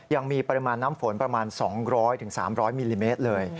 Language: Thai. ยังมีปริมาณน้ำฝนประมาณ๒๐๐๓๐๐มิลลิเมตรเลย